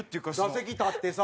打席立ってさ。